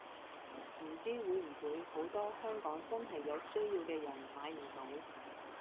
唔知會唔會好多香港真係有需要嘅人買唔到